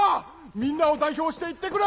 みんなを代表して行ってくれ！